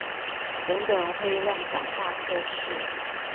等等會亂講話測試